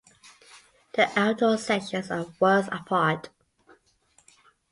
The outdoor section of Worlds Apart.